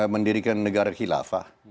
mendirikan negara khilafah